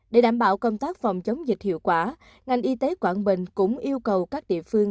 để đảm bảo công tác phòng chống dịch hiệu quả ngành y tế quảng bình cũng yêu cầu các địa phương